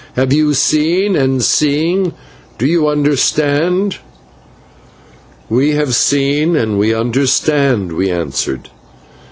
Have you seen, and, seeing, do you understand?" "We have seen, and we understand," we answered.